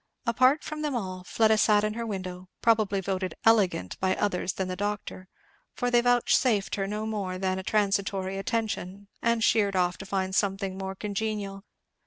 Apart from them all Fleda sat in her window, probably voted "elegant" by others than the doctor, for they vouchsafed her no more than a transitory attention and sheered off to find something more congenial.